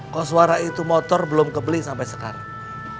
koswara itu motor belum kebeli sampai sekarang